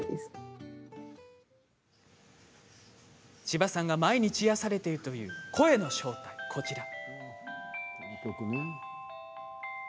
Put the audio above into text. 千葉さんが毎日癒やされているという声の正体がこちら。